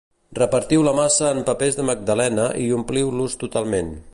Repartiu la massa en papers de magdalena i ompliu-los totalment.